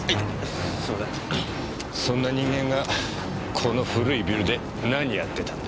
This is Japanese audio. そんな人間がこの古いビルで何やってたんだ？